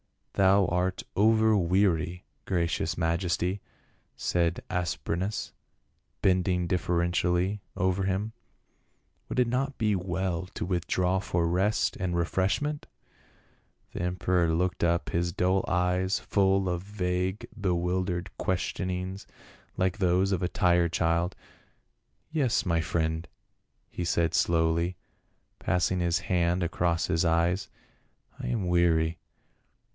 "Thou art over weary, gracious majesty," said As prenas, bending deferentially over him. "Would it not be well to withdraw for rest and refreshment ?" The emperor looked up, his dull eyes full of vague bewildered questionings like those of a tired child. " Yes, my friend," he said slowly, passing his hand across his eyes. " I am weary.